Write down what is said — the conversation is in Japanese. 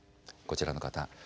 こちらの方。